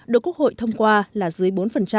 được quốc hội thông qua là dưới bốn